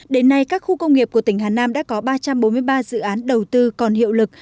đến nay các khu công nghiệp của tỉnh hà nam đã có ba trăm bốn mươi ba dự án đầu tư còn hiệu lực